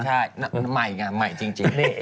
ใช่มันใหม่จริง